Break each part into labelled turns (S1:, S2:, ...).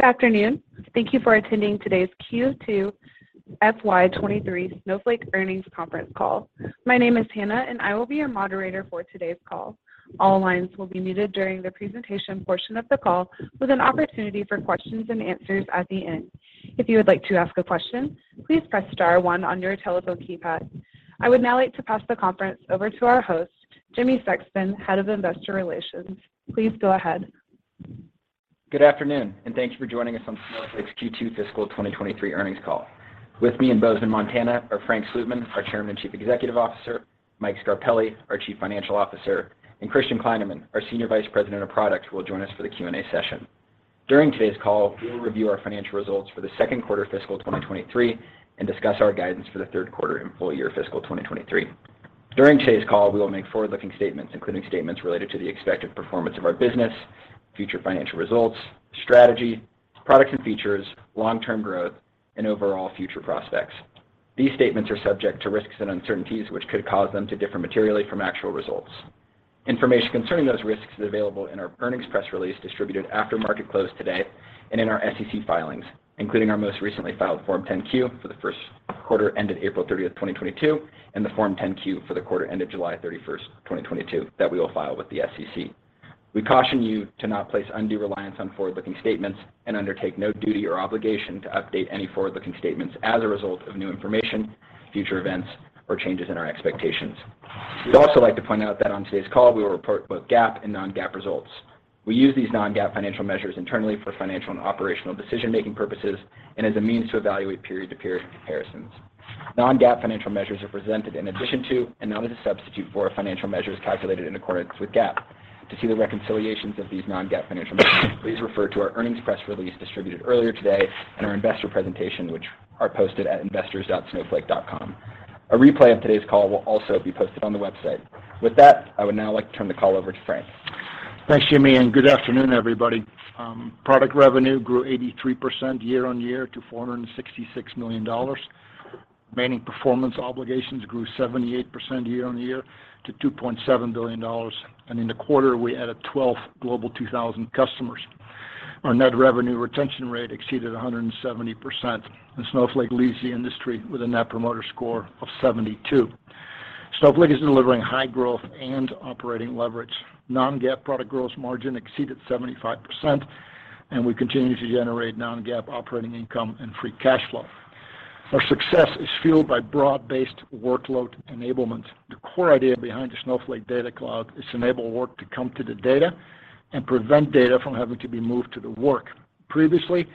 S1: Good afternoon. Thank you for attending today's Q2 FY 2023 Snowflake Earnings conference call. My name is Hannah, and I will be your moderator for today's call. All lines will be muted during the presentation portion of the call, with an opportunity for questions and answers at the end. If you would like to ask a question, please press star one on your telephone keypad. I would now like to pass the conference over to our host, Jimmy Sexton, Head of Investor Relations. Please go ahead.
S2: Good afternoon, and thank you for joining us on Snowflake's Q2 fiscal 2023 earnings call. With me in Bozeman, Montana, are Frank Slootman, our Chairman and Chief Executive Officer, Michael Scarpelli, our Chief Financial Officer, and Christian Kleinerman, our Senior Vice President of Product, who will join us for the Q&A session. During today's call, we will review our financial results for the second quarter fiscal 2023, and discuss our guidance for the third quarter and full year fiscal 2023. During today's call, we will make forward-looking statements, including statements related to the expected performance of our business, future financial results, strategy, products, and features, long-term growth, and overall future prospects. These statements are subject to risks and uncertainties, which could cause them to differ materially from actual results. Information concerning those risks is available in our earnings press release distributed after market close today, and in our SEC filings, including our most recently filed Form 10-Q for the first quarter ended April 30, 2022, and the Form 10-Q for the quarter ended July 31, 2022 that we will file with the SEC. We caution you to not place undue reliance on forward-looking statements, and undertake no duty or obligation to update any forward-looking statements as a result of new information, future events, or changes in our expectations. We'd also like to point out that on today's call, we will report both GAAP and non-GAAP results. We use these non-GAAP financial measures internally for financial and operational decision-making purposes, and as a means to evaluate period-to-period comparisons. Non-GAAP financial measures are presented in addition to, and not as a substitute for, financial measures calculated in accordance with GAAP. To see the reconciliations of these non-GAAP financial measures, please refer to our earnings press release distributed earlier today, and our investor presentation, which are posted at investors.snowflake.com. A replay of today's call will also be posted on the website. With that, I would now like to turn the call over to Frank.
S3: Thanks, Jimmy, and good afternoon, everybody. Product revenue grew 83% year-over-year to $466 million. Remaining performance obligations grew 78% year-over-year to $2.7 billion. In the quarter, we added 12 global 2,000 customers. Our net revenue retention rate exceeded 170%, and Snowflake leads the industry with a net promoter score of 72. Snowflake is delivering high growth and operating leverage. Non-GAAP product gross margin exceeded 75%, and we continue to generate non-GAAP operating income and free cash flow. Our success is fueled by broad-based workload enablement. The core idea behind the Snowflake Data Cloud is to enable work to come to the data and prevent data from having to be moved to the work. Previously,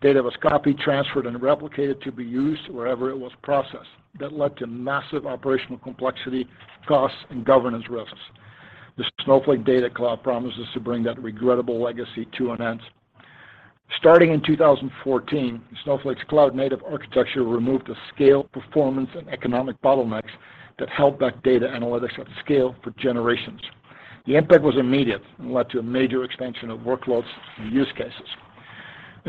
S3: data was copied, transferred, and replicated to be used wherever it was processed. That led to massive operational complexity, costs, and governance risks. The Snowflake Data Cloud promises to bring that regrettable legacy to an end. Starting in 2014, Snowflake's cloud-native architecture removed the scale, performance, and economic bottlenecks that held back data analytics at scale for generations. The impact was immediate, and led to a major expansion of workloads and use cases.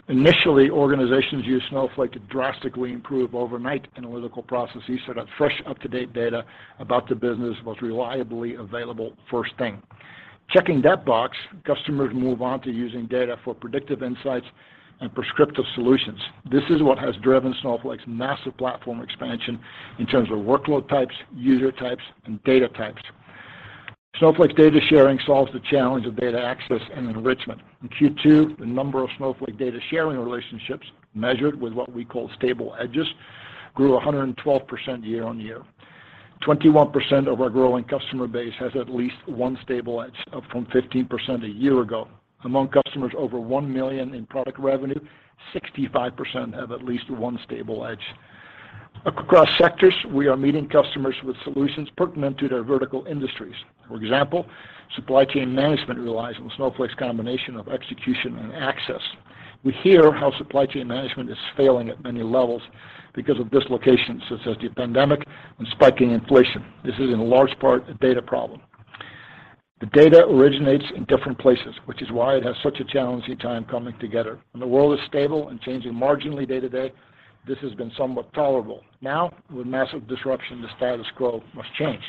S3: Initially, organizations used Snowflake to drastically improve overnight analytical processes so that fresh, up-to-date data about the business was reliably available first thing. Checking that box, customers move on to using data for predictive insights and prescriptive solutions. This is what has driven Snowflake's massive platform expansion in terms of workload types, user types, and data types. Snowflake's data sharing solves the challenge of data access and enrichment. In Q2, the number of Snowflake data sharing relationships measured with what we call stable edges grew 112% year-on-year. 21% of our growing customer base has at least one stable edge, up from 15% a year ago. Among customers over $1 million in product revenue, 65% have at least one stable edge. Across sectors, we are meeting customers with solutions pertinent to their vertical industries. For example, supply chain management relies on Snowflake's combination of execution and access. We hear how supply chain management is failing at many levels because of dislocations such as the pandemic and spiking inflation. This is in large part a data problem. The data originates in different places, which is why it has such a challenging time coming together. When the world is stable and changing marginally day-to-day, this has been somewhat tolerable. Now, with massive disruption, the status quo must change.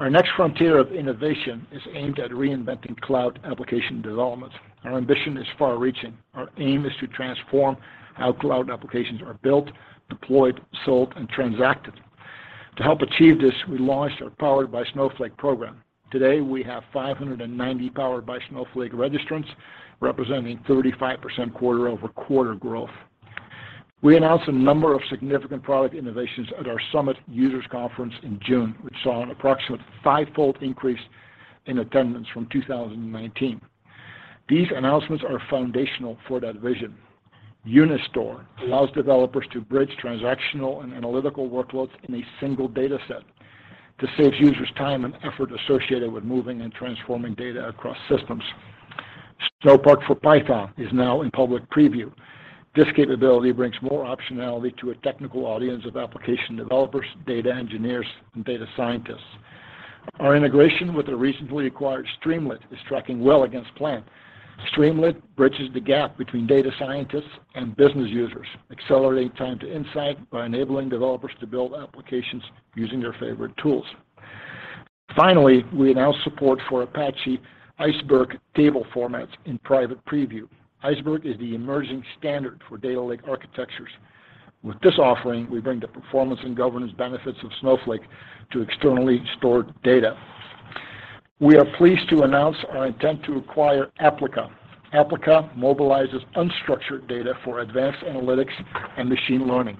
S3: Our next frontier of innovation is aimed at reinventing cloud application development. Our ambition is far-reaching. Our aim is to transform how cloud applications are built, deployed, sold, and transacted. To help achieve this, we launched our Powered by Snowflake program. Today, we have 590 Powered by Snowflake registrants, representing 35% quarter-over-quarter growth. We announced a number of significant product innovations at our Snowflake Summit in June, which saw an approximate five-fold increase in attendance from 2019. These announcements are foundational for that vision. Unistore allows developers to bridge transactional and analytical workloads in a single dataset. This saves users time and effort associated with moving and transforming data across systems. Snowpark for Python is now in public preview. This capability brings more optionality to a technical audience of application developers, data engineers, and data scientists. Our integration with the recently acquired Streamlit is tracking well against plan. Streamlit bridges the gap between data scientists and business users, accelerating time to insight by enabling developers to build applications using their favorite tools. Finally, we announced support for Apache Iceberg table formats in private preview. Iceberg is the emerging standard for data lake architectures. With this offering, we bring the performance and governance benefits of Snowflake to externally stored data. We are pleased to announce our intent to acquire Applica. Applica mobilizes unstructured data for advanced analytics and machine learning.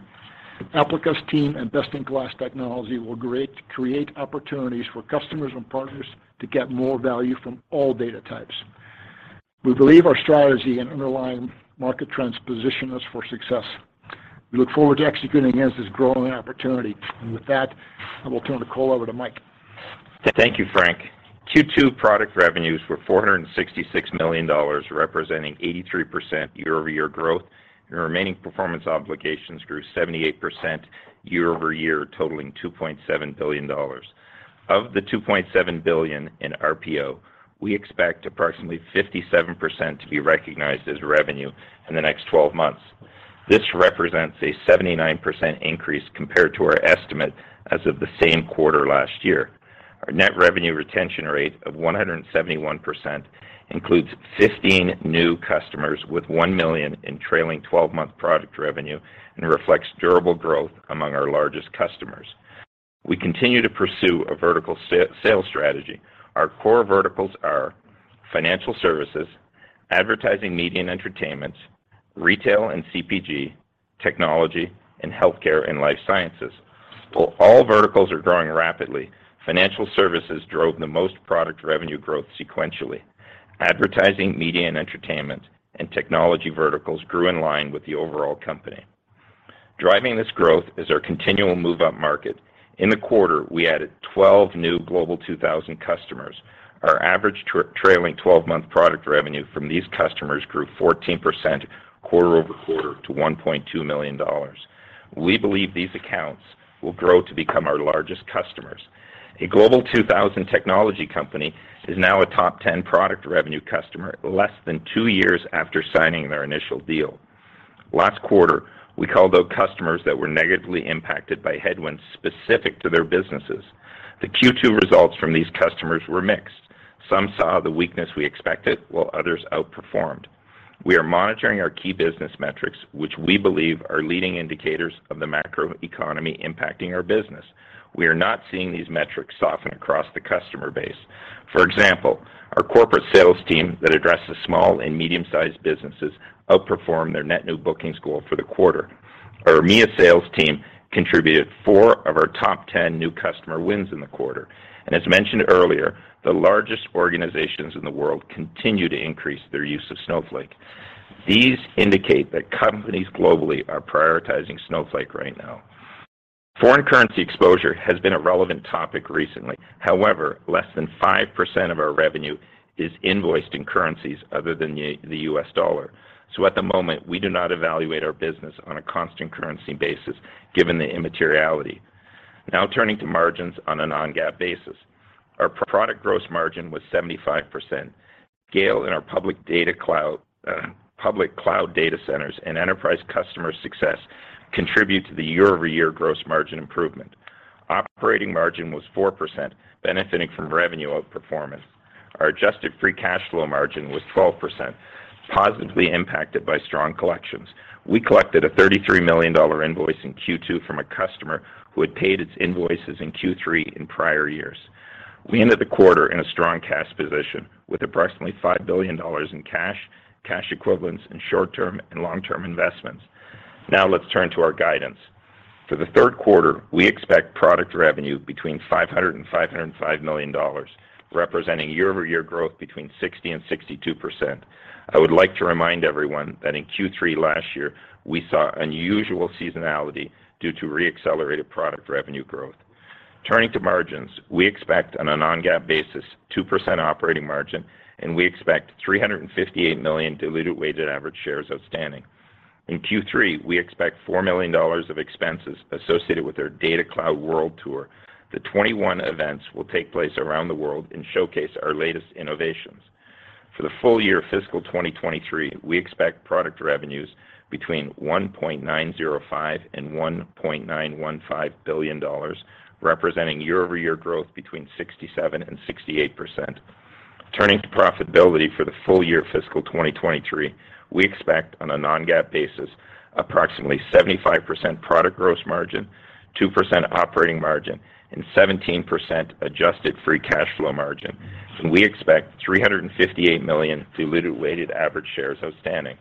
S3: Applica's team and best-in-class technology will create opportunities for customers and partners to get more value from all data types. We believe our strategy and underlying market trends position us for success. We look forward to executing against this growing opportunity. With that, I will turn the call over to Mike.
S4: Thank you, Frank. Q2 product revenues were $466 million, representing 83% year-over-year growth. Our remaining performance obligations grew 78% year-over-year, totaling $2.7 billion. Of the $2.7 billion in RPO, we expect approximately 57% to be recognized as revenue in the next twelve months. This represents a 79% increase compared to our estimate as of the same quarter last year. Our net revenue retention rate of 171% includes 15 new customers with $1 million in trailing-twelve-month product revenue, and it reflects durable growth among our largest customers. We continue to pursue a vertical sales strategy. Our core verticals are financial services, advertising, media, and entertainment, retail and CPG, technology, and healthcare and life sciences. While all verticals are growing rapidly, financial services drove the most product revenue growth sequentially. Advertising, media, and entertainment, and technology verticals grew in line with the overall company. Driving this growth is our continual move upmarket. In the quarter, we added 12 new Global 2000 customers. Our average trailing 12-month product revenue from these customers grew 14% quarter-over-quarter to $1.2 million. We believe these accounts will grow to become our largest customers. A Global 2000 technology company is now a top 10 product revenue customer less than 2 years after signing their initial deal. Last quarter, we called out customers that were negatively impacted by headwinds specific to their businesses. The Q2 results from these customers were mixed. Some saw the weakness we expected, while others outperformed. We are monitoring our key business metrics, which we believe are leading indicators of the macro economy impacting our business. We are not seeing these metrics soften across the customer base. For example, our corporate sales team that addresses small and medium-sized businesses outperformed their net new bookings goal for the quarter. Our EMEA sales team contributed 4 of our top 10 new customer wins in the quarter. As mentioned earlier, the largest organizations in the world continue to increase their use of Snowflake. These indicate that companies globally are prioritizing Snowflake right now. Foreign currency exposure has been a relevant topic recently. However, less than 5% of our revenue is invoiced in currencies other than the U.S. dollar. So at the moment, we do not evaluate our business on a constant currency basis given the immateriality. Now turning to margins on a non-GAAP basis. Our product gross margin was 75%. Scale in our public data cloud, public cloud data centers, and enterprise customer success contribute to the year-over-year gross margin improvement. Operating margin was 4%, benefiting from revenue outperformance. Our adjusted free cash flow margin was 12%, positively impacted by strong collections. We collected a $33 million invoice in Q2 from a customer who had paid its invoices in Q3 in prior years. We ended the quarter in a strong cash position with approximately $5 billion in cash equivalents, and short-term and long-term investments. Now let's turn to our guidance. For the third quarter, we expect product revenue between $500-$505 million, representing year-over-year growth between 60%-62%. I would like to remind everyone that in Q3 last year, we saw unusual seasonality due to re-accelerated product revenue growth. Turning to margins, we expect on a non-GAAP basis 2% operating margin, and we expect 358 million diluted weighted average shares outstanding. In Q3, we expect $4 million of expenses associated with our Data Cloud World Tour. The 21 events will take place around the world and showcase our latest innovations. For the full year fiscal 2023, we expect product revenues between $1.905 billion and $1.915 billion, representing year-over-year growth between 67% and 68%. Turning to profitability for the full year fiscal 2023, we expect on a non-GAAP basis approximately 75% product gross margin, 2% operating margin, and 17% adjusted free cash flow margin, and we expect 358 million diluted weighted average shares outstanding.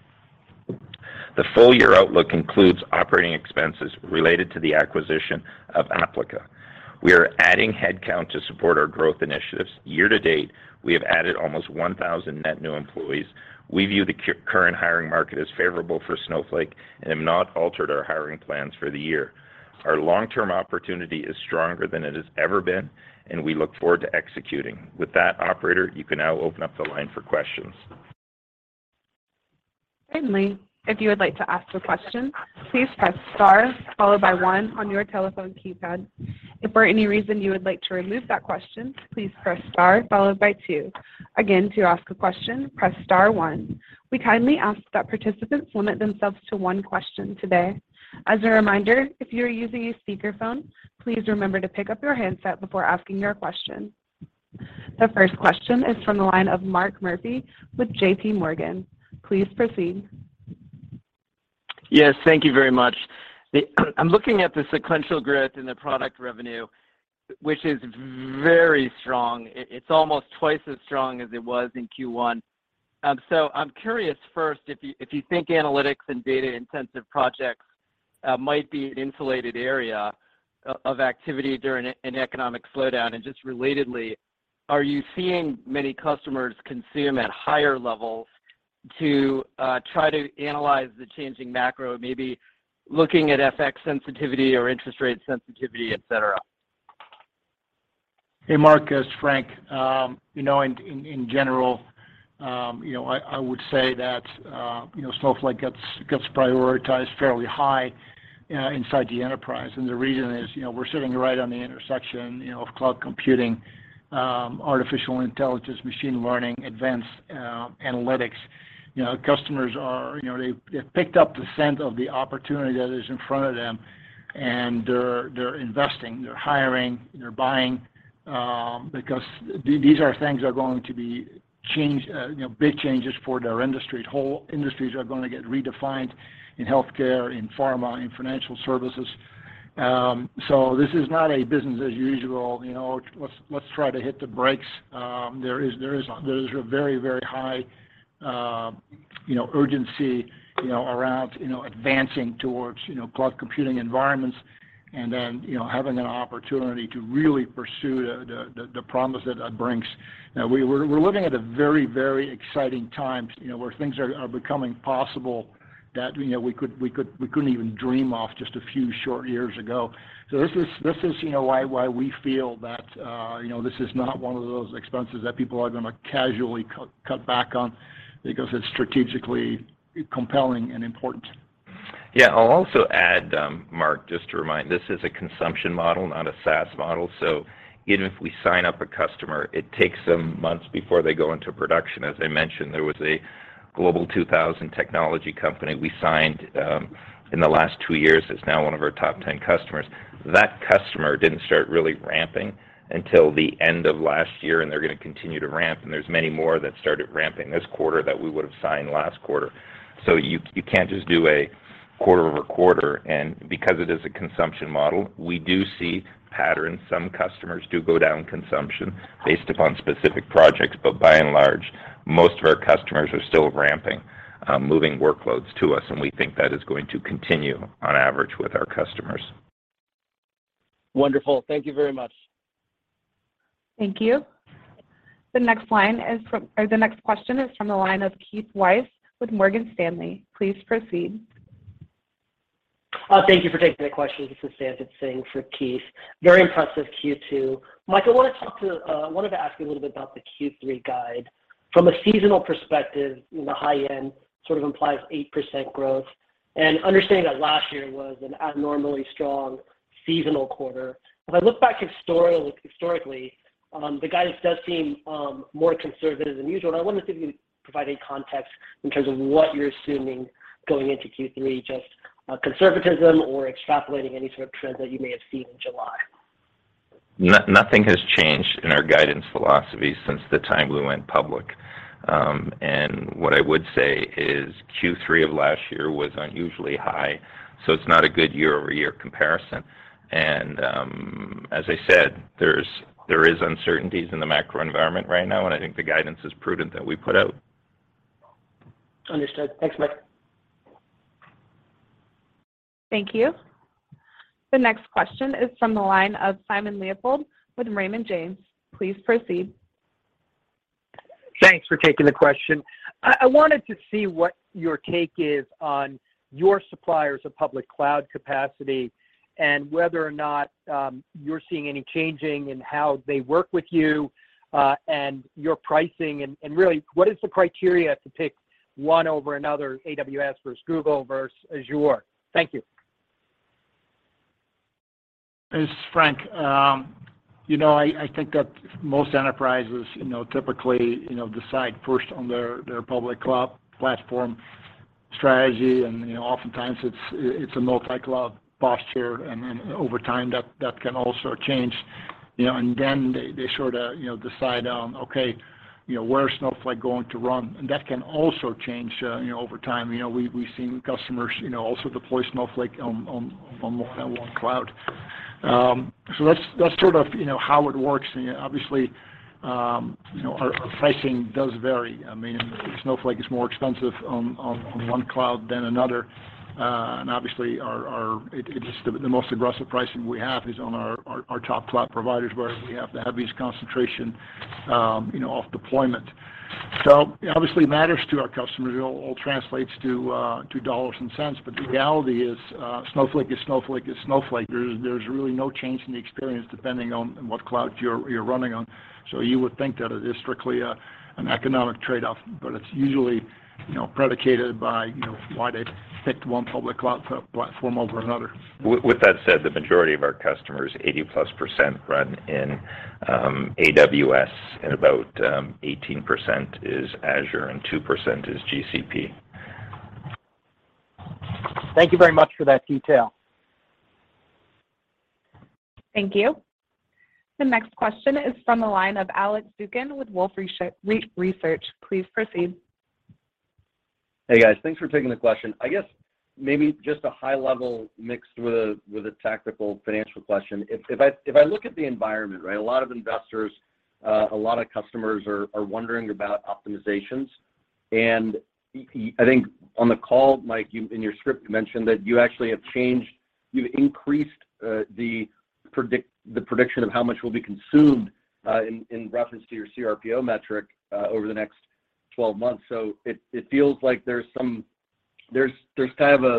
S4: The full-year outlook includes operating expenses related to the acquisition of Applica. We are adding headcount to support our growth initiatives. Year to date, we have added almost 1,000 net new employees. We view the current hiring market as favorable for Snowflake and have not altered our hiring plans for the year. Our long-term opportunity is stronger than it has ever been, and we look forward to executing. With that, operator, you can now open up the line for questions.
S1: Finally, if you would like to ask a question, please press star followed by one on your telephone keypad. If for any reason you would like to remove that question, please press star followed by two. Again, to ask a question, press star one. We kindly ask that participants limit themselves to one question today. As a reminder, if you're using a speakerphone, please remember to pick up your handset before asking your question. The first question is from the line of Mark Murphy with J.P. Morgan. Please proceed.
S5: Yes. Thank you very much. I'm looking at the sequential growth in the product revenue, which is very strong. It's almost twice as strong as it was in Q1. So I'm curious first if you think analytics and data-intensive projects might be an insulated area of activity during an economic slowdown. Just relatedly, are you seeing many customers consume at higher levels to try to analyze the changing macro, maybe looking at FX sensitivity or interest rate sensitivity, et cetera?
S3: Hey, Mark. It's Frank. You know, in general, you know, I would say that, you know, Snowflake gets prioritized fairly high inside the enterprise. The reason is, you know, we're sitting right on the intersection, you know, of cloud computing, artificial intelligence, machine learning, advanced analytics. You know, customers are. You know, they have picked up the scent of the opportunity that is in front of them, and they're investing, they're hiring, they're buying, because these things are going to change, you know, big changes for their industry. Whole industries are gonna get redefined in healthcare, in pharma, in financial services. This is not a business as usual, you know, let's try to hit the brakes. There is a very high urgency, you know, around advancing towards cloud computing environments and then having an opportunity to really pursue the promise that that brings. Now we're looking at a very exciting time, you know, where things are becoming possible that we couldn't even dream of just a few short years ago. This is why we feel that this is not one of those expenses that people are gonna casually cut back on because it's strategically compelling and important.
S4: Yeah. I'll also add, Mark, just to remind, this is a consumption model, not a SaaS model. Even if we sign up a customer, it takes them months before they go into production. As I mentioned, there was a global 2,000 technology company we signed in the last two years that's now one of our top 10 customers. That customer didn't start really ramping until the end of last year, and they're gonna continue to ramp, and there's many more that started ramping this quarter that we would've signed last quarter. You can't just do a quarter-over-quarter. Because it is a consumption model, we do see patterns. Some customers do go down consumption based upon specific projects. By and large, most of our customers are still ramping, moving workloads to us, and we think that is going to continue on average with our customers.
S5: Wonderful. Thank you very much.
S1: Thank you. The next question is from the line of Keith Weiss with Morgan Stanley. Please proceed.
S6: Thank you for taking the question. This is Sanjit Singh for Keith. Very impressive Q2. Mike, I wanna talk to—I wanted to ask you a little bit about the Q3 guide. From a seasonal perspective, you know, the high end sort of implies 8% growth. Understanding that last year was an abnormally strong seasonal quarter, if I look back historically, the guidance does seem more conservative than usual, and I wonder if you could provide any context in terms of what you're assuming going into Q3, just conservatism or extrapolating any sort of trends that you may have seen in July.
S4: Nothing has changed in our guidance philosophy since the time we went public. What I would say is Q3 of last year was unusually high, so it's not a good year-over-year comparison. As I said, there is uncertainties in the macro environment right now, and I think the guidance is prudent that we put out.
S6: Understood. Thanks, Mike.
S1: Thank you. The next question is from the line of Simon Leopold with Raymond James. Please proceed.
S7: Thanks for taking the question. I wanted to see what your take is on your suppliers of public cloud capacity and whether or not you're seeing any changes in how they work with you and your pricing, and really what is the criteria to pick one over another, AWS versus Google versus Azure? Thank you.
S3: This is Frank. You know, I think that most enterprises, you know, typically, you know, decide first on their public cloud platform strategy, and, you know, oftentimes it's a multi-cloud posture, and then over time, that can also change. You know, then they sort of, you know, decide on, okay, you know, where is Snowflake going to run? That can also change, you know, over time. You know, we've seen customers, you know, also deploy Snowflake on more than one cloud. That's sort of, you know, how it works. Obviously, you know, our pricing does vary. I mean, Snowflake is more expensive on one cloud than another. Obviously, our most aggressive pricing is on our top cloud providers where we have the heaviest concentration, you know, of deployment. It obviously matters to our customers. It all translates to dollars and cents. But the reality is, Snowflake is Snowflake. There's really no change in the experience depending on what cloud you're running on. You would think that it is strictly an economic trade-off, but it's usually, you know, predicated by, you know, why they picked one public cloud platform over another.
S4: With that said, the majority of our customers, 80+%, run in AWS, and about 18% is Azure, and 2% is GCP.
S7: Thank you very much for that detail.
S1: Thank you. The next question is from the line of Alex Zukin with Wolfe Research. Please proceed.
S8: Hey guys. Thanks for taking the question. I guess maybe just a high level mixed with a tactical financial question. If I look at the environment, right, a lot of investors, a lot of customers are wondering about optimizations. I think on the call, Mike, in your script, you mentioned that you actually increased the prediction of how much will be consumed in reference to your CRPO metric over the next 12 months. It feels like there's some massive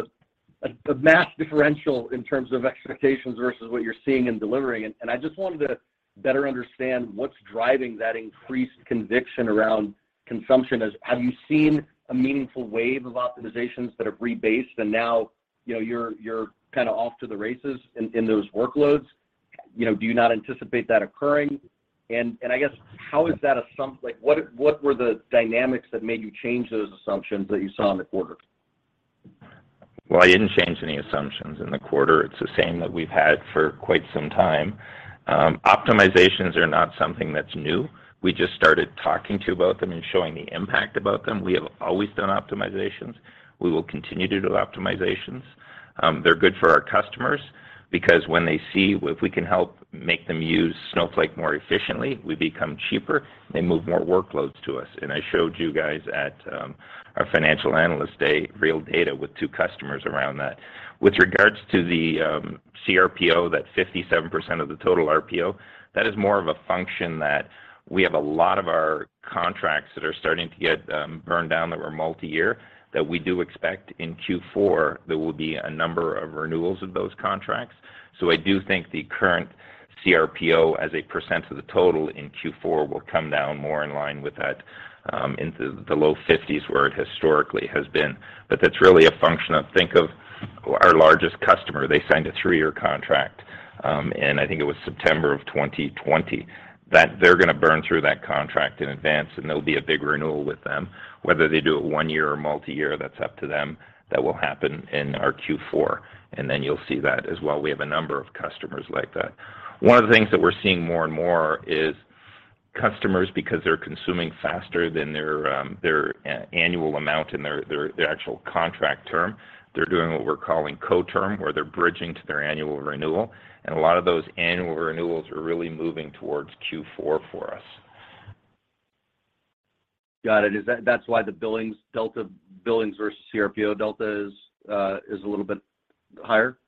S8: differential in terms of expectations versus what you're seeing and delivering. I just wanted to better understand what's driving that increased conviction around consumption. Have you seen a meaningful wave of optimizations that have rebased and now, you know, you're kinda off to the races in those workloads? You know, do you not anticipate that occurring? I guess how is that like, what were the dynamics that made you change those assumptions that you saw in the quarter?
S4: Well, I didn't change any assumptions in the quarter. It's the same that we've had for quite some time. Optimizations are not something that's new. We just started talking to you about them and showing the impact about them. We have always done optimizations. We will continue to do optimizations. They're good for our customers because when they see if we can help make them use Snowflake more efficiently, we become cheaper, they move more workloads to us. I showed you guys at our Investor Day real data with two customers around that. With regards to the CRPO, that 57% of the total RPO, that is more of a function that we have a lot of our contracts that are starting to get burned down that were multi-year, that we do expect in Q4 there will be a number of renewals of those contracts. I do think the current CRPO as a percent of the total in Q4 will come down more in line with that, into the low 50s where it historically has been. That's really a function of think of our largest customer. They signed a 3-year contract, in I think it was September 2020. They're gonna burn through that contract in advance, and there'll be a big renewal with them. Whether they do it one-year or multi-year, that's up to them. That will happen in our Q4, and then you'll see that as well. We have a number of customers like that. One of the things that we're seeing more and more is customers, because they're consuming faster than their annual amount in their actual contract term, they're doing what we're calling co-term, where they're bridging to their annual renewal, and a lot of those annual renewals are really moving towards Q4 for us.
S8: Got it. That's why the billings versus CRPO delta is a little bit higher?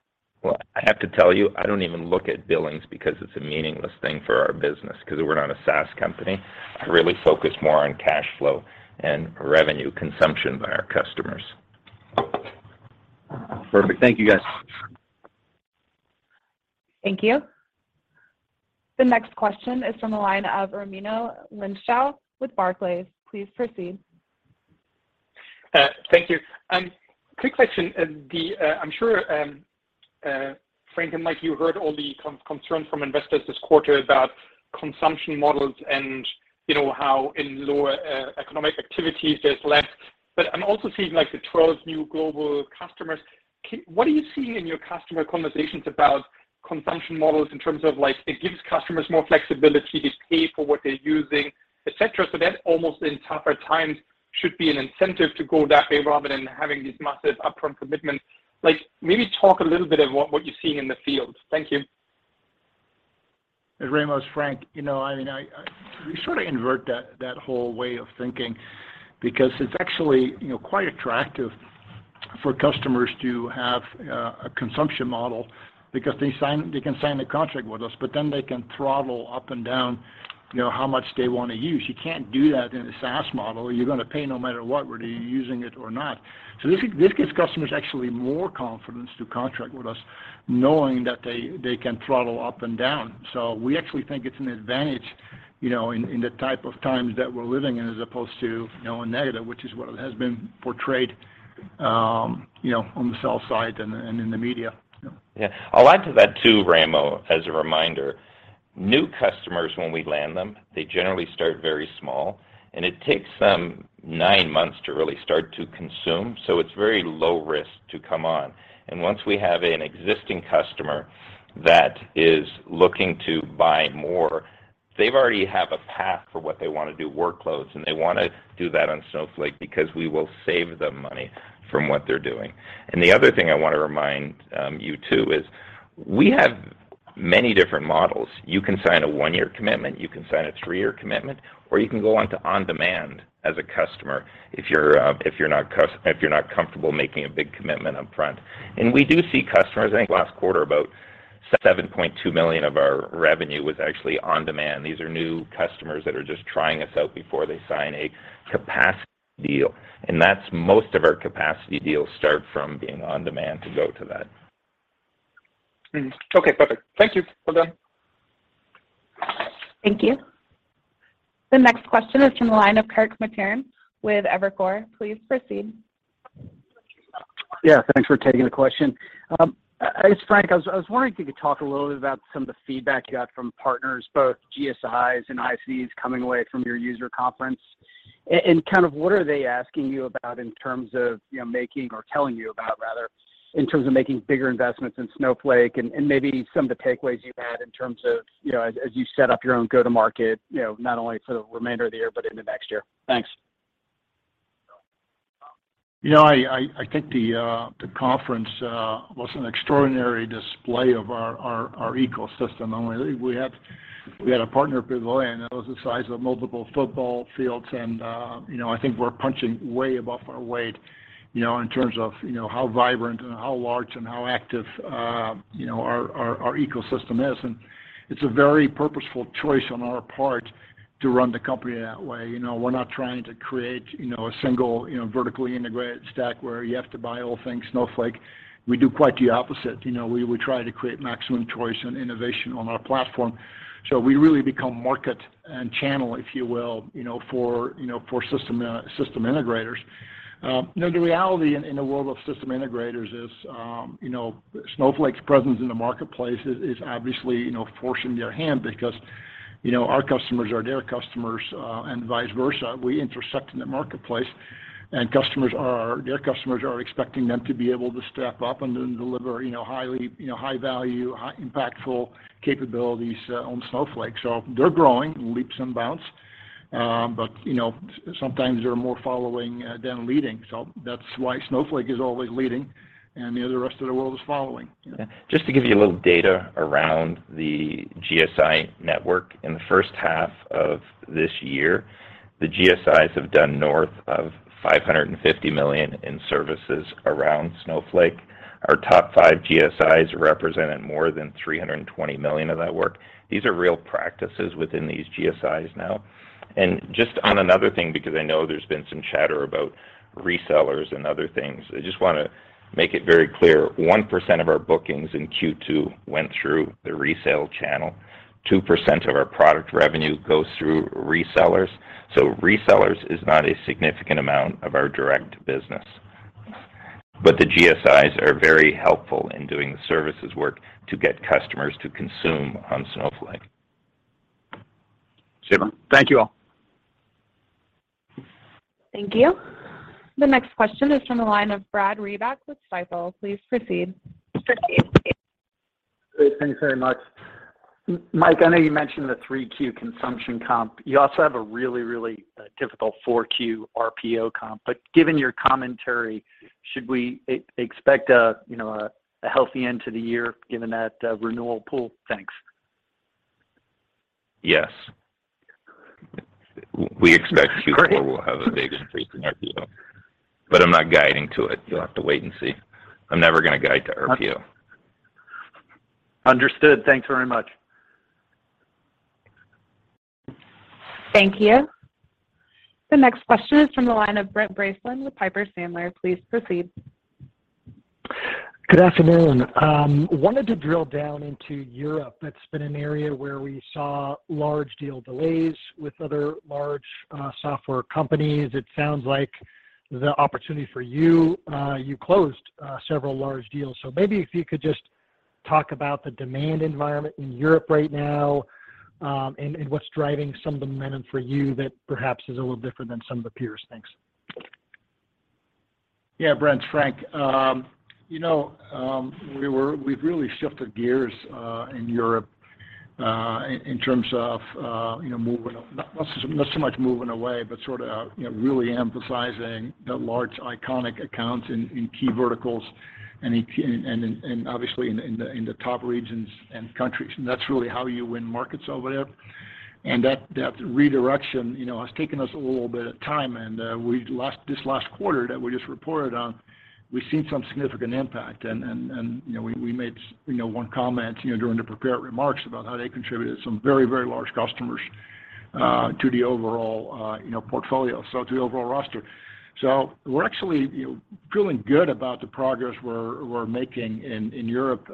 S4: Well, I have to tell you, I don't even look at billings because it's a meaningless thing for our business, 'cause we're not a SaaS company. I really focus more on cash flow and revenue consumption by our customers.
S8: Perfect. Thank you, guys.
S1: Thank you. The next question is from the line of Raimo Lenschow with Barclays. Please proceed.
S9: Thank you. Quick question. I'm sure Frank and Mike, you heard all the concerns from investors this quarter about consumption models and, you know, how in lower economic activities there's less. I'm also seeing like the 12 new global customers. What are you seeing in your customer conversations about consumption models in terms of like it gives customers more flexibility to pay for what they're using, et cetera? That almost in tougher times should be an incentive to go that way rather than having these massive upfront commitments. Like, maybe talk a little bit of what you're seeing in the field. Thank you.
S3: Raimo, it's Frank. We sort of invert that whole way of thinking because it's actually quite attractive for customers to have a consumption model because they can sign a contract with us, but then they can throttle up and down how much they wanna use. You can't do that in a SaaS model. You're gonna pay no matter what, whether you're using it or not. This gives customers actually more confidence to contract with us, knowing that they can throttle up and down. We actually think it's an advantage in the type of times that we're living in, as opposed to a negative, which is what it has been portrayed on the sell side and in the media.
S4: Yeah. I'll add to that too, Raimo. As a reminder, new customers, when we land them, they generally start very small, and it takes them nine months to really start to consume, so it's very low risk to come on. Once we have an existing customer that is looking to buy more, they already have a path for what they wanna do workloads, and they wanna do that on Snowflake because we will save them money from what they're doing. The other thing I wanna remind you too is we have many different models. You can sign a one-year commitment, you can sign a three-year commitment, or you can go onto on-demand as a customer if you're not comfortable making a big commitment up front. We do see customers, I think last quarter about $7.2 million of our revenue was actually on-demand. These are new customers that are just trying us out before they sign a capacity deal. That's most of our capacity deals start from being on-demand to go to that.
S9: Okay. Perfect. Thank you. Well done.
S1: Thank you. The next question is from the line of Kirk Materne with Evercore. Please proceed.
S10: Yeah. Thanks for taking the question. Hey Frank. I was wondering if you could talk a little bit about some of the feedback you got from partners, both GSIs and ISVs coming away from your user conference. And kind of what are they asking you about in terms of, you know, making or telling you about, rather, in terms of making bigger investments in Snowflake, and maybe some of the takeaways you've had in terms of, you know, as you set up your own go-to-market, you know, not only for the remainder of the year, but into next year. Thanks.
S3: You know, I think the conference was an extraordinary display of our ecosystem. I mean, we had a partner pavilion that was the size of multiple football fields and, you know, I think we're punching way above our weight, you know, in terms of, you know, how vibrant and how large and how active, you know, our ecosystem is. It's a very purposeful choice on our part to run the company that way. You know, we're not trying to create, you know, a single, you know, vertically integrated stack where you have to buy all things Snowflake. We do quite the opposite. You know, we try to create maximum choice and innovation on our platform. We really become market and channel, if you will, you know, for, you know, for system integrators. You know, the reality in the world of system integrators is, you know, Snowflake's presence in the marketplace is obviously, you know, forcing their hand because, you know, our customers are their customers, and vice versa. We intersect in the marketplace, and their customers are expecting them to be able to step up and then deliver, you know, highly, you know, high value, high impactful capabilities, on Snowflake. They're growing in leaps and bounds. You know, sometimes they're more following than leading. That's why Snowflake is always leading, and the rest of the world is following. You know?
S4: Just to give you a little data around the GSI network. In the first half of this year, the GSIs have done north of $550 million in services around Snowflake. Our top five GSIs represented more than $320 million of that work. These are real practices within these GSIs now. Just on another thing, because I know there's been some chatter about resellers and other things, I just wanna make it very clear, 1% of our bookings in Q2 went through the resale channel. 2% of our product revenue goes through resellers. Resellers is not a significant amount of our direct business. The GSIs are very helpful in doing the services work to get customers to consume on Snowflake.
S10: Super. Thank you all.
S1: Thank you. The next question is from the line of Brad Reback with Stifel. Please proceed.
S11: Great. Thanks very much. Mike, I know you mentioned the 3Q consumption comp. You also have a really difficult 4Q RPO comp. Given your commentary, should we expect a, you know, healthy end to the year given that renewal pool? Thanks.
S4: Yes. We expect-
S11: Great
S4: Q4 will have a big increase in RPO, but I'm not guiding to it. You'll have to wait and see. I'm never gonna guide to RPO.
S11: Understood. Thanks very much.
S1: Thank you. The next question is from the line of Brent Bracelin with Piper Sandler. Please proceed.
S12: Good afternoon. Wanted to drill down into Europe. That's been an area where we saw large deal delays with other large software companies. It sounds like the opportunity for you closed several large deals. Maybe if you could just talk about the demand environment in Europe right now, and what's driving some of the momentum for you that perhaps is a little different than some of the peers. Thanks.
S3: Yeah. Brent, Frank. We've really shifted gears in Europe in terms of, you know, not so much moving away, but sort of, you know, really emphasizing the large iconic accounts in key verticals and key and obviously in the top regions and countries. That's really how you win markets over there. That redirection, you know, has taken us a little bit of time. This last quarter that we just reported on, we've seen some significant impact. You know, we made, you know, one comment, you know, during the prepared remarks about how they contributed some very large customers to the overall, you know, portfolio, so to the overall roster. We're actually, you know, feeling good about the progress we're making in Europe,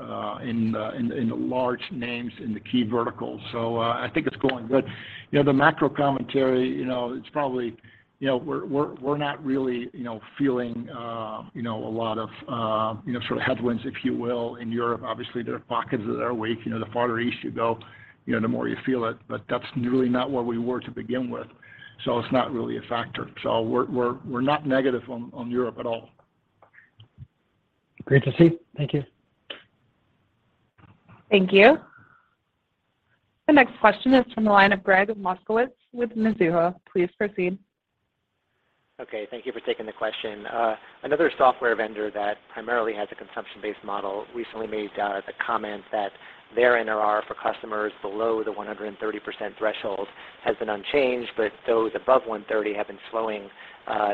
S3: in the large names in the key verticals. I think it's going good. You know, the macro commentary, you know, it's probably you know, we're not really, you know, feeling a lot of, you know, sort of headwinds, if you will, in Europe. Obviously, there are pockets that are weak. You know, the farther east you go, you know, the more you feel it. But that's really not where we were to begin with, so it's not really a factor. We're not negative on Europe at all.
S12: Great to see. Thank you.
S1: Thank you. The next question is from the line of Gregg Moskowitz with Mizuho. Please proceed.
S13: Okay. Thank you for taking the question. Another software vendor that primarily has a consumption-based model recently made the comment that their NRR for customers below the 130% threshold has been unchanged, but those above 130 have been slowing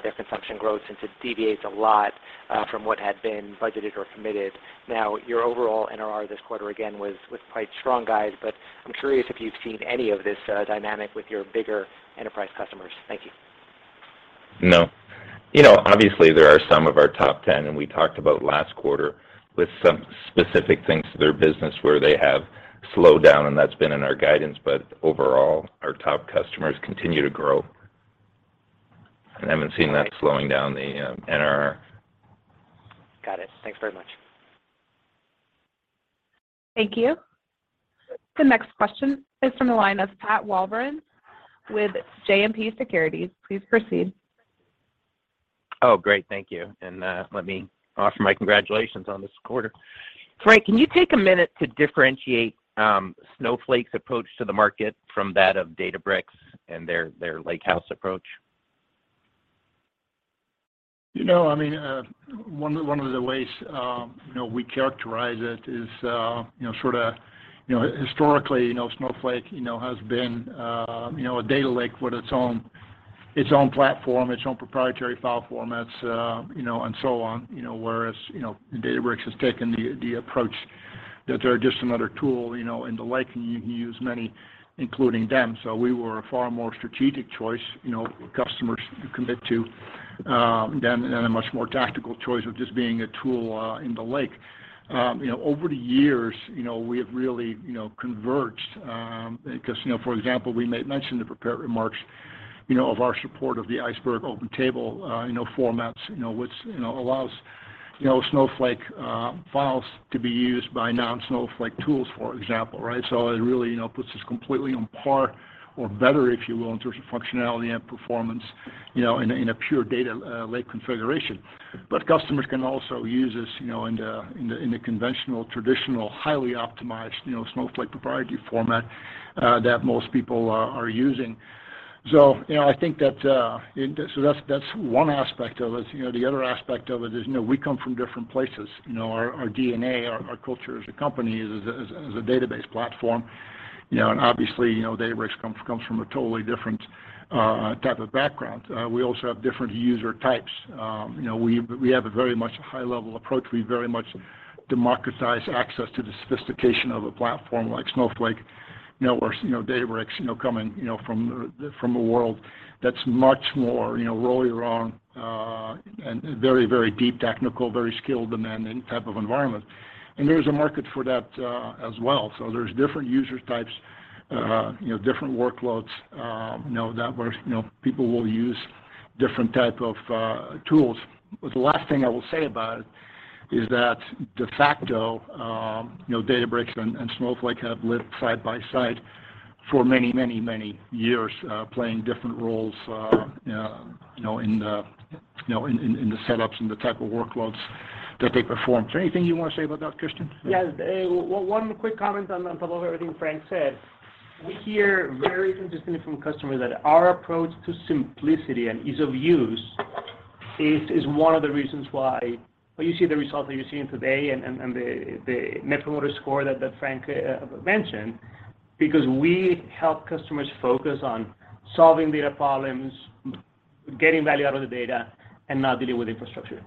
S13: their consumption growth since it deviates a lot from what had been budgeted or committed. Now, your overall NRR this quarter again was quite strong, guys, but I'm curious if you've seen any of this dynamic with your bigger enterprise customers. Thank you.
S4: No. You know, obviously there are some of our top 10, and we talked about last quarter with some specific things to their business where they have slowed down, and that's been in our guidance, but overall, our top customers continue to grow. I haven't seen that slowing down the NRR.
S13: Got it. Thanks very much.
S1: Thank you. The next question is from the line of Pat Walravens with JMP Securities. Please proceed.
S14: Oh, great. Thank you. Let me offer my congratulations on this quarter. Frank, can you take a minute to differentiate Snowflake's approach to the market from that of Databricks and their Lakehouse approach?
S3: You know, I mean, one of the ways, you know, we characterize it is, you know, sorta, you know, historically, you know, Snowflake, you know, has been, you know, a data lake with its own platform, its own proprietary file formats, you know, and so on. You know, whereas, you know, Databricks has taken the approach that they're just another tool, you know, in the lake, and you can use many, including them. We were a far more strategic choice, you know, customers to commit to, than a much more tactical choice of just being a tool in the lake. You know, over the years, you know, we have really, you know, converged, because, you know, for example, we made mention in the prepared remarks, you know, of our support of the Iceberg Open table formats, you know, which, you know, allows, Snowflake, files to be used by non-Snowflake tools, for example, right? It really, you know, puts us completely on par or better, if you will, in terms of functionality and performance, you know, in a, in a pure data, lake configuration. Customers can also use this, you know, in the, in the, in the conventional, traditional, highly optimized, you know, Snowflake proprietary format, that most people are using. You know, I think that's one aspect of it. You know, the other aspect of it is, you know, we come from different places. You know, our DNA, our culture as a company is as a database platform, you know, and obviously, you know, Databricks comes from a totally different type of background. We also have different user types. You know, we have a very much high-level approach. We very much democratize access to the sophistication of a platform like Snowflake. You know, whereas, you know, Databricks, you know, coming from a world that's much more, you know, roll your own, and very, very deep technical, very skilled demanding type of environment. There's a market for that, as well. There's different user types, you know, different workloads, you know, that whereas, you know, people will use different type of tools. The last thing I will say about it is that de facto, you know, Databricks and Snowflake have lived side by side for many years, playing different roles, you know, in the setups and the type of workloads that they perform. Is there anything you want to say about that, Christian?
S15: Yes. One quick comment on top of everything Frank said. We hear very consistently from customers that our approach to simplicity and ease of use is one of the reasons why well, you see the results that you're seeing today and the net promoter score that Frank mentioned, because we help customers focus on solving data problems, getting value out of the data, and not dealing with infrastructure.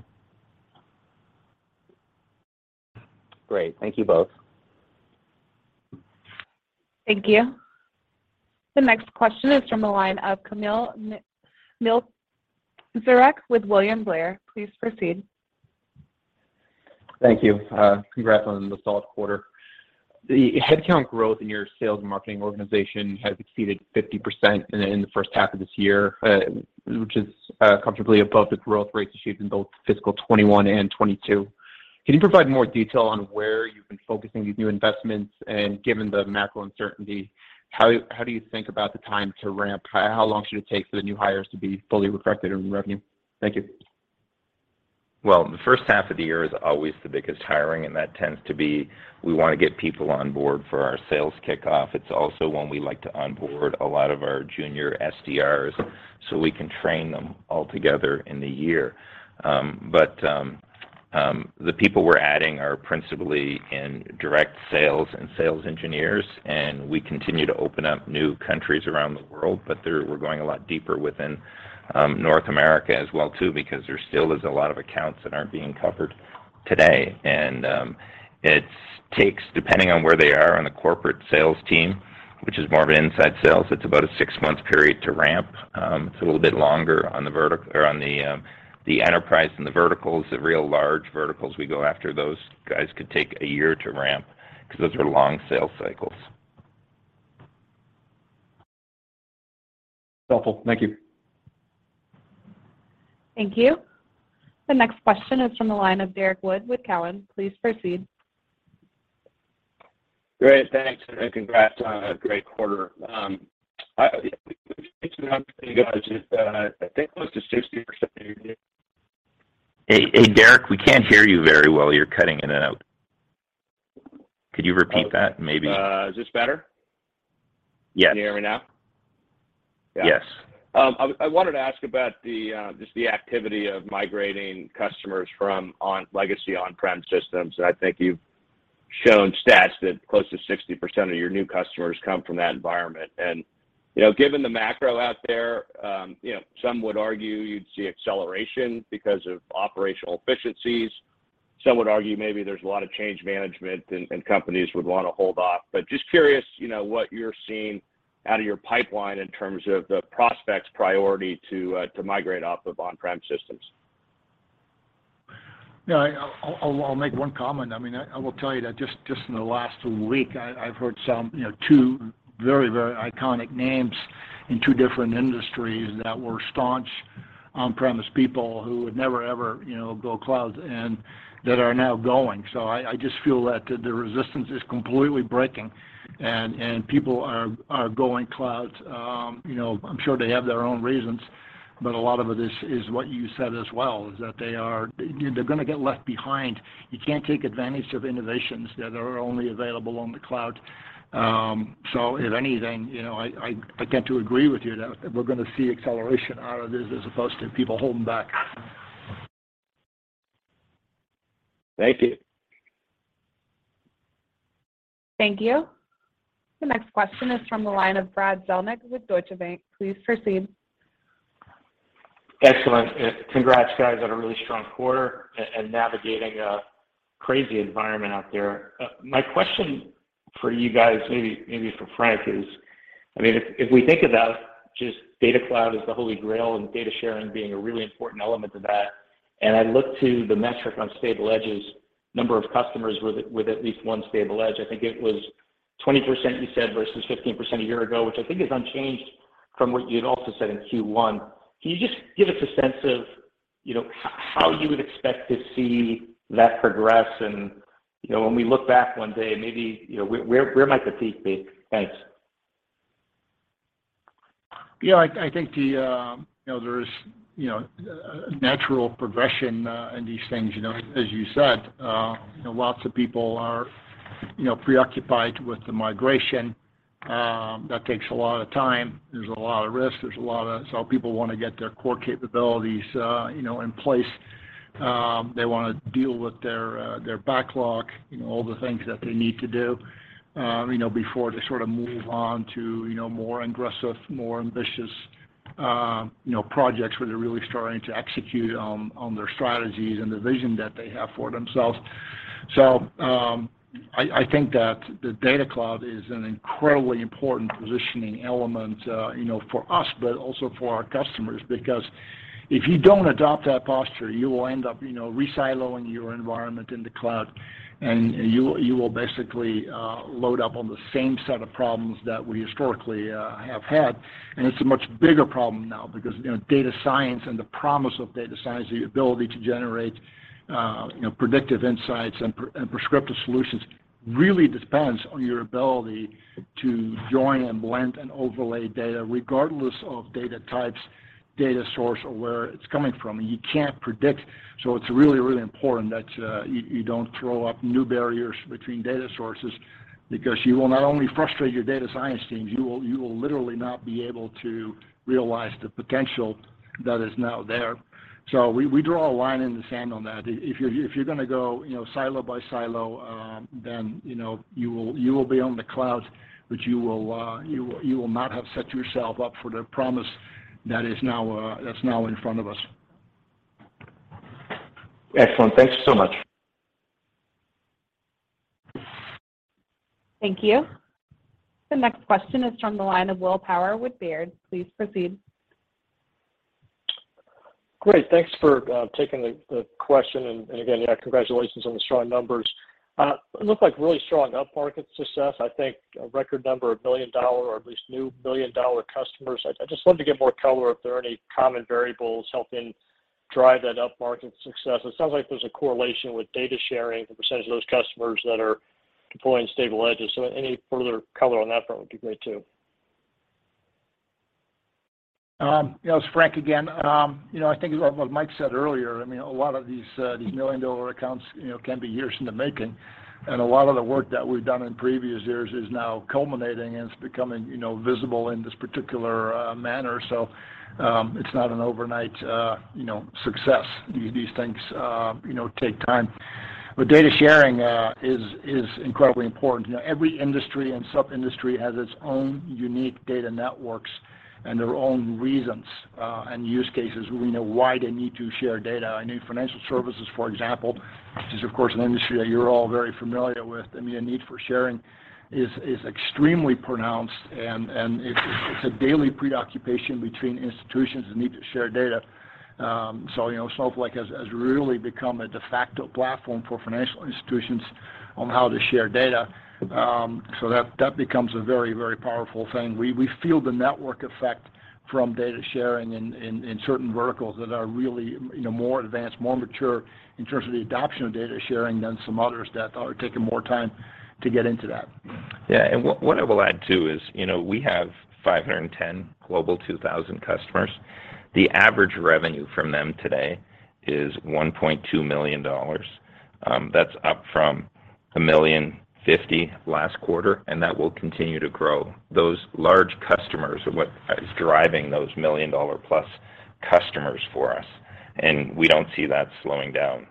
S14: Great. Thank you both.
S1: Thank you. The next question is from the line of Kamil Mielczarek with William Blair. Please proceed.
S16: Thank you. Congrats on the solid quarter. The headcount growth in your sales and marketing organization has exceeded 50% in the first half of this year, which is comfortably above the growth rates achieved in both fiscal 2021 and 2022. Can you provide more detail on where you've been focusing these new investments? Given the macro uncertainty, how do you think about the time to ramp? How long should it take for the new hires to be fully reflected in revenue? Thank you.
S3: Well, the first half of the year is always the biggest hiring, and that tends to be we wanna get people on board for our sales kickoff. It's also when we like to onboard a lot of our junior SDRs, so we can train them all together in the year. The people we're adding are principally in direct sales and sales engineers, and we continue to open up new countries around the world. We're going a lot deeper within North America as well too because there still is a lot of accounts that aren't being covered today. It takes, depending on where they are on the corporate sales team, which is more of an inside sales, it's about a six-month period to ramp. It's a little bit longer on the enterprise and the verticals, the real large verticals we go after. Those guys could take a year to ramp 'cause those are long sales cycles.
S16: Helpful. Thank you.
S1: Thank you. The next question is from the line of Derrick Wood with TD Cowen. Please proceed.
S17: Great. Thanks, and congrats on a great quarter.
S10: Hey, Derrick, we can't hear you very well. You're cutting in and out. Could you repeat that maybe?
S17: Is this better?
S10: Yes.
S17: Can you hear me now? Yeah.
S10: Yes.
S17: I wanted to ask about just the activity of migrating customers from legacy on-prem systems. I think you've shown stats that close to 60% of your new customers come from that environment. You know, given the macro out there, you know, some would argue you'd see acceleration because of operational efficiencies. Some would argue maybe there's a lot of change management and companies would wanna hold off. Just curious, you know, what you're seeing out of your pipeline in terms of the prospects' priority to migrate off of on-prem systems.
S3: I'll make one comment. I mean, I will tell you that just in the last week I've heard some, you know, two very iconic names in two different industries that were staunch on-premise people who would never, ever, you know, go cloud and that are now going. I just feel that the resistance is completely breaking, and people are going cloud. You know, I'm sure they have their own reasons, but a lot of it is what you said as well, is that they're gonna get left behind. You can't take advantage of innovations that are only available on the cloud. If anything, you know, I get to agree with you that we're gonna see acceleration out of this as opposed to people holding back.
S17: Thank you.
S1: Thank you. The next question is from the line of Brad Zelnick with Deutsche Bank. Please proceed.
S18: Excellent. Congrats guys on a really strong quarter and navigating a crazy environment out there. My question for you guys, maybe for Frank, is, I mean, if we think about just Data Cloud as the holy grail and data sharing being a really important element of that, and I look to the metric on stable edges, number of customers with at least one stable edge, I think it was 20% you said, versus 15% a year ago, which I think is unchanged from what you'd also said in Q1. Can you just give us a sense of, you know, how you would expect to see that progress? You know, when we look back one day, maybe, you know, where might the peak be? Thanks.
S3: Yeah, I think you know there's a natural progression in these things, you know. As you said, you know, lots of people are you know preoccupied with the migration. That takes a lot of time. There's a lot of risk. So people wanna get their core capabilities you know in place. They wanna deal with their backlog, you know, all the things that they need to do you know before they sort of move on to you know more aggressive, more ambitious you know projects where they're really starting to execute on their strategies and the vision that they have for themselves. I think that the data cloud is an incredibly important positioning element, you know, for us, but also for our customers, because if you don't adopt that posture, you will end up, you know, re-siloing your environment in the cloud, and you will basically load up on the same set of problems that we historically have had. It's a much bigger problem now because, you know, data science and the promise of data science, the ability to generate, you know, predictive insights and prescriptive solutions really depends on your ability to join and blend and overlay data regardless of data types, data source, or where it's coming from. You can't predict, so it's really, really important that you don't throw up new barriers between data sources because you will not only frustrate your data science teams, you will literally not be able to realize the potential that is now there. We draw a line in the sand on that. If you're gonna go, you know, silo by silo, then, you know, you will be on the cloud, but you will not have set yourself up for the promise that is now, that's now in front of us.
S18: Excellent. Thank you so much.
S1: Thank you. The next question is from the line of Will Power with Baird. Please proceed.
S19: Great. Thanks for taking the question and again, yeah, congratulations on the strong numbers. It looked like really strong upmarket success. I think a record number of billion-dollar or at least new billion-dollar customers. I'd just love to get more color if there are any common variables helping drive that upmarket success. It sounds like there's a correlation with data sharing, the percentage of those customers that are deploying stable edges. Any further color on that front would be great too.
S3: Yes. Frank again. You know, I think what Mike said earlier, I mean, a lot of these million-dollar accounts, you know, can be years in the making, and a lot of the work that we've done in previous years is now culminating, and it's becoming, you know, visible in this particular manner. It's not an overnight, you know, success. These things, you know, take time. Data sharing is incredibly important. You know, every industry and sub-industry has its own unique data networks and their own reasons and use cases, really, you know why they need to share data. I know financial services, for example, which is of course an industry that you're all very familiar with. I mean, a need for sharing is extremely pronounced and it's a daily preoccupation between institutions that need to share data. You know, Snowflake has really become a de facto platform for financial institutions on how to share data. So that becomes a very powerful thing. We feel the network effect from data sharing in certain verticals that are really, you know, more advanced, more mature in terms of the adoption of data sharing than some others that are taking more time to get into that.
S4: Yeah. What I will add too is, you know, we have 510 Global 2000 customers. The average revenue from them today is $1.2 million. That's up from $1.05 million last quarter, and that will continue to grow. Those large customers are what is driving those million-dollar-plus customers for us, and we don't see that slowing down.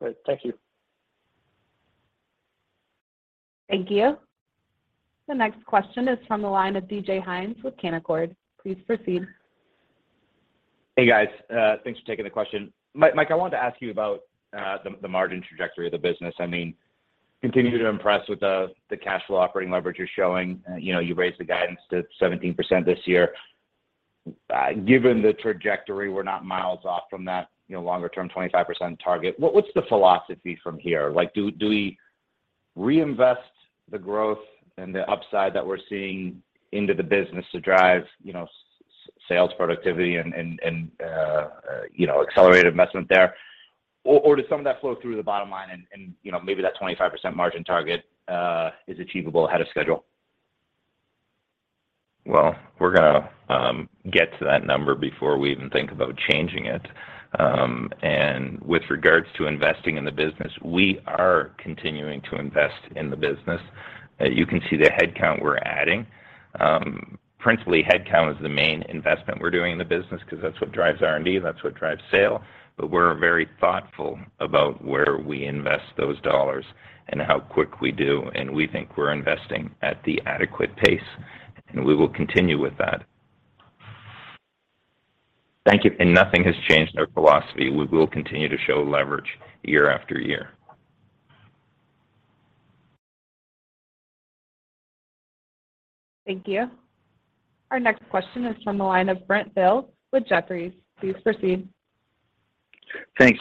S19: Great. Thank you.
S1: Thank you. The next question is from the line of DJ Hynes with Canaccord. Please proceed.
S20: Hey, guys. Thanks for taking the question. Mike, I wanted to ask you about the margin trajectory of the business. I mean. Continue to impress with the cash flow operating leverage you're showing. You know, you raised the guidance to 17% this year. Given the trajectory, we're not miles off from that, you know, longer term 25% target. What's the philosophy from here? Like, do we reinvest the growth and the upside that we're seeing into the business to drive, you know, sales productivity and, you know, accelerated investment there? Or does some of that flow through the bottom line and, you know, maybe that 25% margin target is achievable ahead of schedule?
S4: Well, we're gonna get to that number before we even think about changing it. With regards to investing in the business, we are continuing to invest in the business. You can see the headcount we're adding. Principally, headcount is the main investment we're doing in the business because that's what drives R&D, and that's what drives sales. We're very thoughtful about where we invest those dollars and how quickly we do, and we think we're investing at the adequate pace, and we will continue with that.
S20: Thank you.
S4: Nothing has changed our philosophy. We will continue to show leverage year after year.
S1: Thank you. Our next question is from the line of Brent Thill with Jefferies. Please proceed.
S21: Thanks.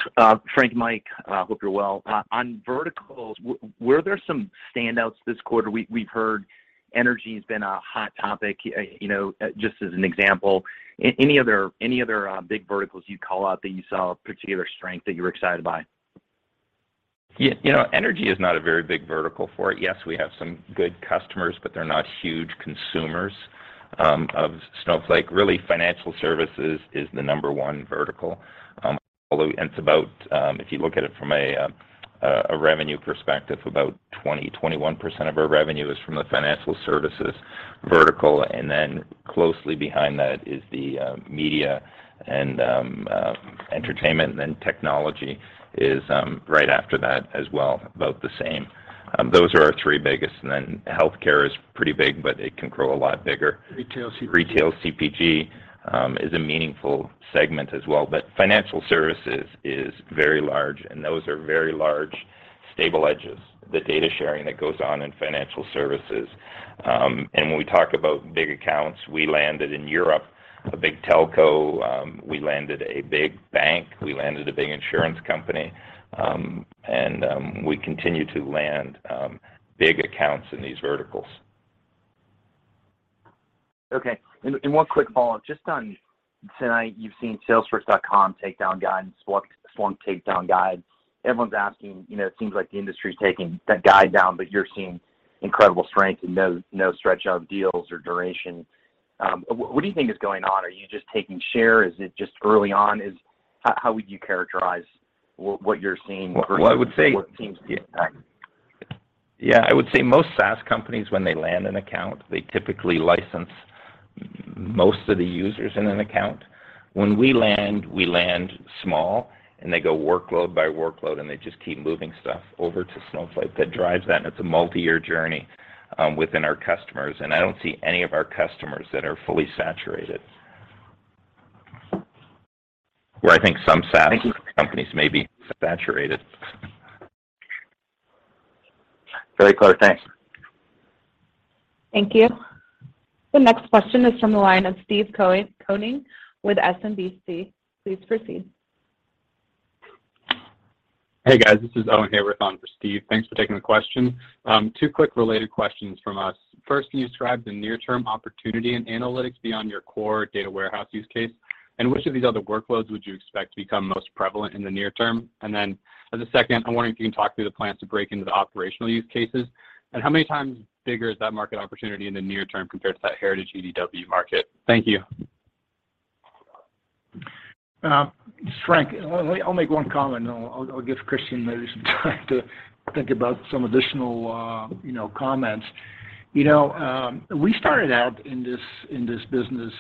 S21: Frank, Mike, hope you're well. On verticals, were there some standouts this quarter? We've heard energy has been a hot topic, you know, just as an example. Any other big verticals you'd call out that you saw a particular strength that you were excited by?
S4: Yeah. You know, energy is not a very big vertical for it. Yes, we have some good customers, but they're not huge consumers of Snowflake. Really, financial services is the number one vertical. It's about, if you look at it from a revenue perspective, about 20-21% of our revenue is from the financial services vertical, and then closely behind that is the media and entertainment, and then technology is right after that as well, about the same. Those are our three biggest. Healthcare is pretty big, but it can grow a lot bigger.
S3: Retail CPG.
S4: Retail CPG is a meaningful segment as well. Financial services is very large, and those are very large, stable edges, the data sharing that goes on in financial services. When we talk about big accounts, we landed in Europe, a big telco, we landed a big bank, we landed a big insurance company, and we continue to land big accounts in these verticals.
S21: Okay. One quick follow-up. Just on tonight, you've seen Salesforce.com take down guidance, Splunk take down guidance. Everyone's asking, you know, it seems like the industry is taking that guidance down, but you're seeing incredible strength and no stretch of deals or duration. What do you think is going on? Are you just taking share? Is it just early on? How would you characterize what you're seeing versus
S4: Well, I would say.
S21: What seems to be impact?
S4: Yeah, I would say most SaaS companies, when they land an account, they typically license most of the users in an account. When we land, we land small, and they go workload by workload, and they just keep moving stuff over to Snowflake. That drives that, and it's a multi-year journey within our customers. I don't see any of our customers that are fully saturated. Where I think some SaaS
S21: Thank you.
S4: Companies may be saturated.
S21: Very clear. Thanks.
S1: Thank you. The next question is from the line of Steve Koenig with SMBC. Please proceed.
S22: Hey, guys. This is Owen Hayward on for Steve. Thanks for taking the question. Two quick related questions from us. First, can you describe the near-term opportunity in analytics beyond your core data warehouse use case? And which of these other workloads would you expect to become most prevalent in the near term? As a second, I'm wondering if you can talk through the plans to break into the operational use cases, and how many times bigger is that market opportunity in the near term compared to that heritage EDW market? Thank you.
S3: Frank, I'll make one comment, and I'll give Christian maybe some time to think about some additional, you know, comments. You know, we started out in this, in this business,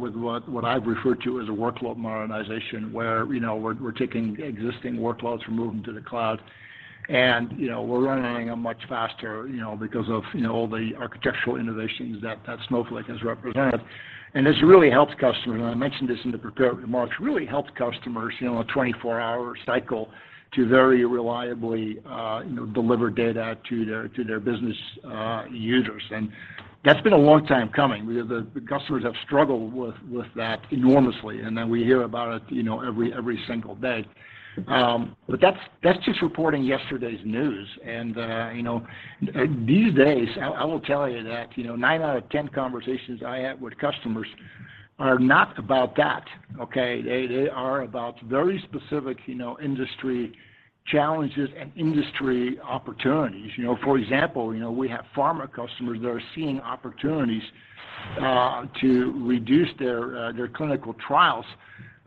S3: with what I've referred to as a workload modernization, where, you know, we're taking existing workloads, we're moving to the cloud. You know, we're running them much faster, you know, because of, you know, all the architectural innovations that Snowflake has represented. This really helps customers, and I mentioned this in the prepared remarks, really helps customers, you know, a 24-hour cycle to very reliably, you know, deliver data to their business users. That's been a long time coming. The customers have struggled with that enormously. Then we hear about it, you know, every single day. That's just reporting yesterday's news. You know, these days, I will tell you that, you know, nine out of ten conversations I have with customers are not about that, okay? They are about very specific, you know, industry challenges and industry opportunities. You know, for example, you know, we have pharma customers that are seeing opportunities to reduce their their clinical trials.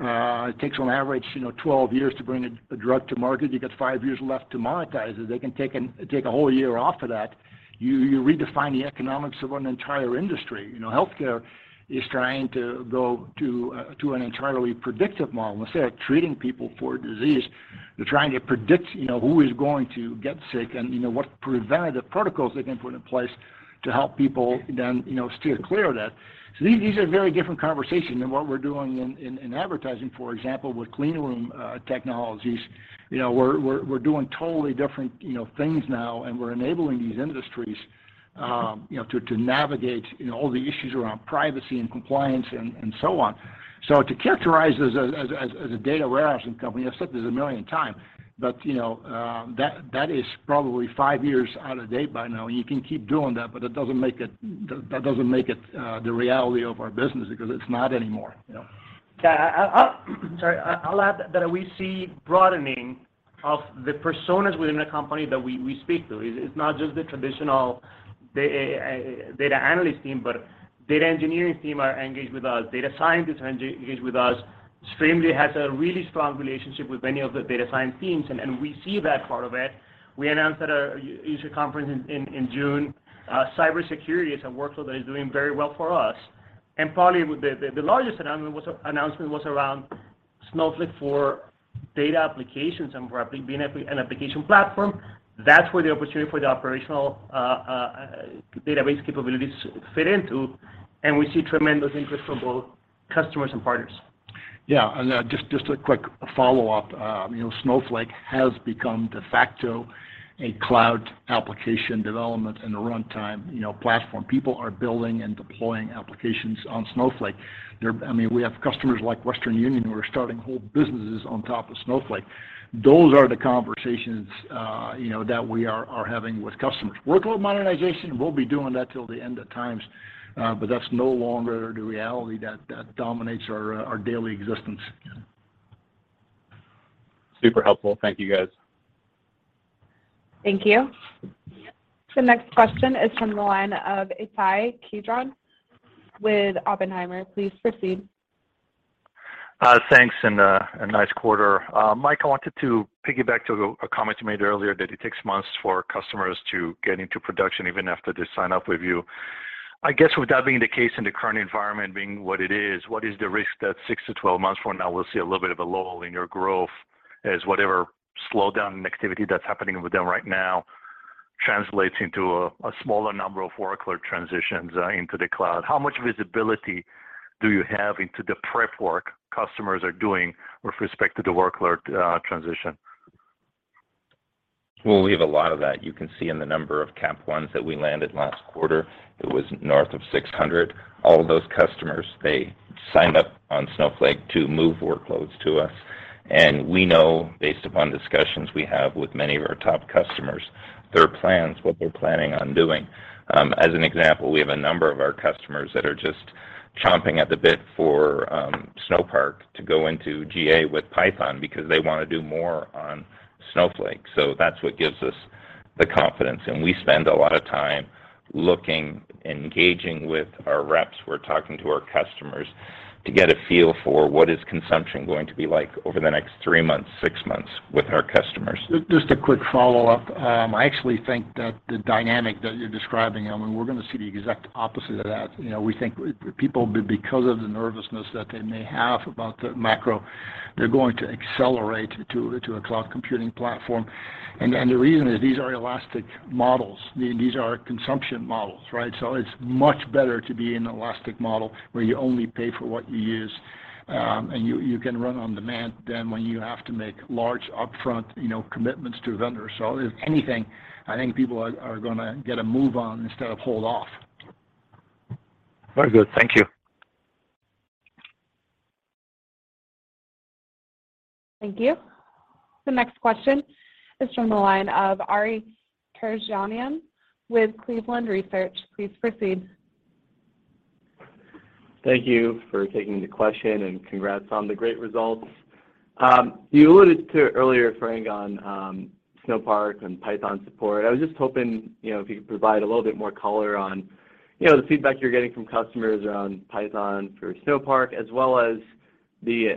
S3: It takes on average, you know, 12 years to bring a drug to market. You got 5 years left to monetize it. They can take a whole year off of that. You redefine the economics of an entire industry. You know, healthcare is trying to go to an entirely predictive model. Instead of treating people for disease, they're trying to predict, you know, who is going to get sick, and, you know, what preventative protocols they can put in place to help people then, you know, steer clear of that. These are very different conversations than what we're doing in advertising, for example, with clean room technologies. You know, we're doing totally different, you know, things now, and we're enabling these industries, you know, to navigate, you know, all the issues around privacy and compliance and so on. To characterize us as a data warehousing company, I've said this a million times, but, you know, that is probably five years out of date by now. You can keep doing that, but that doesn't make it the reality of our business because it's not anymore, you know?
S15: Yeah. Sorry, I'll add that we see broadening of the personas within a company that we speak to. It's not just the traditional data analyst team, but data engineering team are engaged with us, data scientists are engaged with us. Streamlit has a really strong relationship with many of the data science teams, and we see that part of it. We announced at a user conference in June, cybersecurity is a workflow that is doing very well for us. Probably the largest announcement was around Snowflake for data applications and for being an application platform. That's where the opportunity for the operational database capabilities fit into, and we see tremendous interest from both customers and partners.
S3: Yeah. Just a quick follow-up. You know, Snowflake has become de facto a cloud application development and a runtime, you know, platform. People are building and deploying applications on Snowflake. I mean, we have customers like Western Union who are starting whole businesses on top of Snowflake. Those are the conversations, you know, that we are having with customers. Workload modernization, we'll be doing that till the end of times, but that's no longer the reality that dominates our daily existence.
S22: Super helpful. Thank you, guys.
S1: Thank you. The next question is from the line of Ittai Kidron with Oppenheimer. Please proceed.
S23: Thanks, nice quarter. Mike, I wanted to piggyback on a comment you made earlier that it takes months for customers to get into production even after they sign up with you. I guess with that being the case in the current environment being what it is, what is the risk that 6-12 months from now we'll see a little bit of a lull in your growth as whatever slowdown in activity that's happening with them right now translates into a smaller number of workload transitions into the cloud? How much visibility do you have into the prep work customers are doing with respect to the workload transition?
S4: Well, we have a lot of that. You can see in the number of customers that we landed last quarter, it was north of 600. All of those customers, they signed up on Snowflake to move workloads to us. We know based upon discussions we have with many of our top customers, their plans, what they're planning on doing. As an example, we have a number of our customers that are just chomping at the bit for Snowpark to go into GA with Python because they wanna do more on Snowflake. That's what gives us the confidence. We spend a lot of time looking, engaging with our reps. We're talking to our customers to get a feel for what is consumption going to be like over the next three months, six months with our customers.
S3: Just a quick follow-up. I actually think that the dynamic that you're describing, and we're gonna see the exact opposite of that. You know, we think people, because of the nervousness that they may have about the macro, they're going to accelerate to a cloud computing platform. The reason is these are elastic models. These are consumption models, right? It's much better to be in an elastic model where you only pay for what you use, and you can run on demand than when you have to make large upfront, you know, commitments to a vendor. If anything, I think people are gonna get a move on instead of hold off.
S23: Very good. Thank you.
S1: Thank you. The next question is from the line of Ari Terjanian with Cleveland Research. Please proceed.
S24: Thank you for taking the question, and congrats on the great results. You alluded to earlier, Frank, on Snowpark and Python support. I was just hoping, you know, if you could provide a little bit more color on, you know, the feedback you're getting from customers around Python for Snowpark, as well as the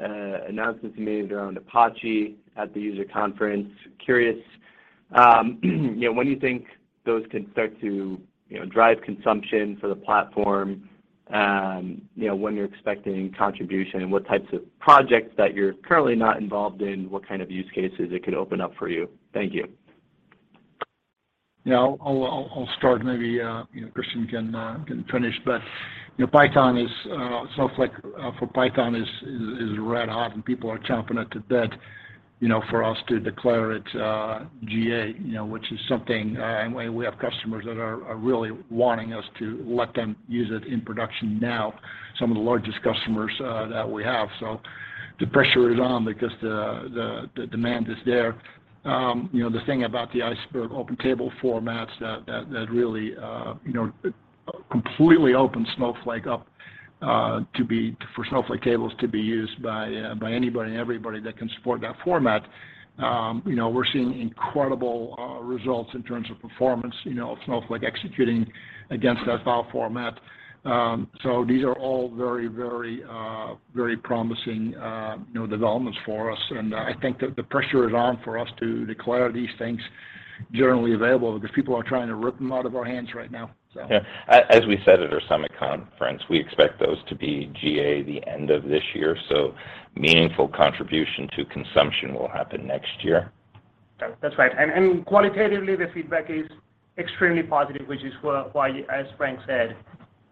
S24: announcements you made around Apache at the user conference. Curious, you know, when you think those could start to, you know, drive consumption for the platform, you know, when you're expecting contribution and what types of projects that you're currently not involved in, what kind of use cases it could open up for you. Thank you.
S3: Yeah. I'll start. Maybe, you know, Christian can finish. But, you know, Snowpark for Python is red hot, and people are chomping at the bit, you know, for us to declare it GA, you know, which is something, and we have customers that are really wanting us to let them use it in production now, some of the largest customers that we have. The pressure is on because the demand is there. You know, the thing about the Iceberg open table formats that really, you know, completely opens Snowflake up for Snowflake tables to be used by anybody and everybody that can support that format. You know, we're seeing incredible results in terms of performance, you know, of Snowflake executing against that file format. So these are all very promising, you know, developments for us. I think the pressure is on for us to declare these things generally available because people are trying to rip them out of our hands right now.
S4: Yeah. As we said at our summit conference, we expect those to be GA by the end of this year, so meaningful contribution to consumption will happen next year.
S15: That's right. Qualitatively, the feedback is extremely positive, which is why, as Frank said,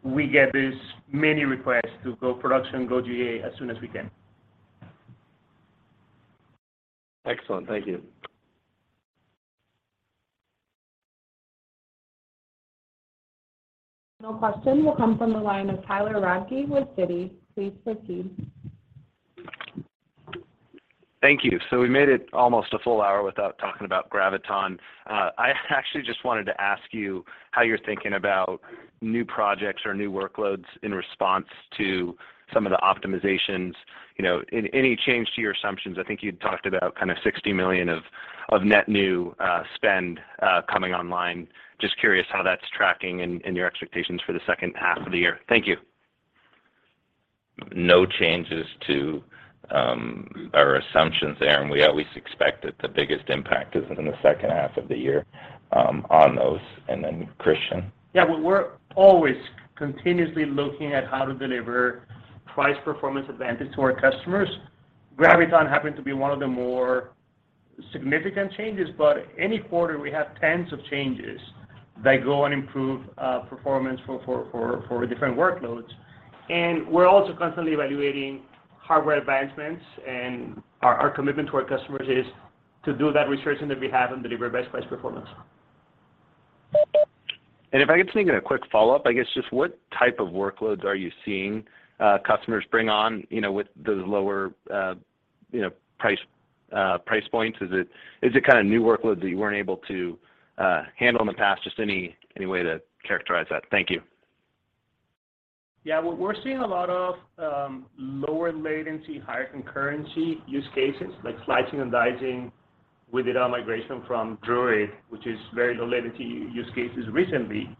S15: we get these many requests to go production, go GA as soon as we can.
S24: Excellent. Thank you.
S1: Final question will come from the line of Tyler Radke with Citi. Please proceed.
S25: Thank you. We made it almost a full hour without talking about Graviton. I actually just wanted to ask you how you're thinking about new projects or new workloads in response to some of the optimizations, you know, any change to your assumptions. I think you'd talked about kind of $60 million of net new spend coming online. Just curious how that's tracking in your expectations for the second half of the year. Thank you.
S4: No changes to our assumptions there, and we always expect that the biggest impact is in the second half of the year on those. Christian.
S15: Yeah. We're always continuously looking at how to deliver price performance advantage to our customers. Graviton happened to be one of the more significant changes, but any quarter, we have tens of changes that go and improve performance for different workloads. We're also constantly evaluating hardware advancements, and our commitment to our customers is to do that research on their behalf and deliver best price performance.
S25: If I could sneak in a quick follow-up, I guess just what type of workloads are you seeing customers bring on, you know, with those lower price points? Is it kind of new workloads that you weren't able to handle in the past? Just any way to characterize that. Thank you.
S15: Yeah. We're seeing a lot of lower latency, higher concurrency use cases like slicing and dicing with data migration from Druid, which is very low latency use cases recently,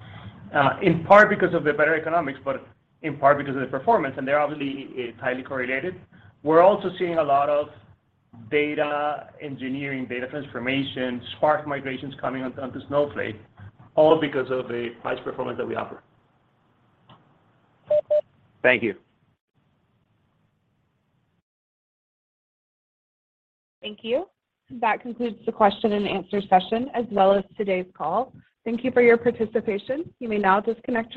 S15: in part because of the better economics, but in part because of the performance, and they're obviously tightly correlated. We're also seeing a lot of data engineering, data transformation, Spark migrations coming on to Snowflake, all because of the price performance that we offer.
S25: Thank you.
S1: Thank you. That concludes the question and answer session, as well as today's call. Thank you for your participation. You may now disconnect your lines.